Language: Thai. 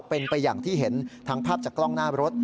เป็นไปอย่างที่เห็นทั้งภาพจากกล้องหน้ารถ